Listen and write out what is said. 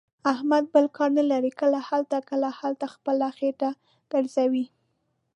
احمد بل کار نه لري. کله هلته، کله هلته، خپله خېټه ګرځوي.